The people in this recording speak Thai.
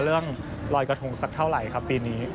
เรื่องรอยกระทงสักเท่าไหร่ครับปีนี้